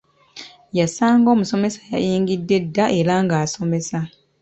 Yasanga omusomesa yayingidde dda era ng’asomesa.